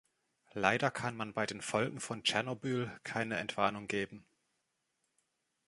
Leider kann man bei den Folgen von Tschernobyl keine Entwarnung geben.